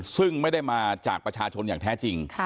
ซึ่งไม่ได้มาจากประชาชนอย่างแท้จริง